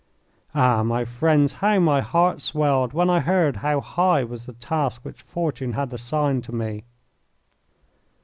Ah, my friends, how my heart swelled when I heard how high was the task which Fortune had assigned to me!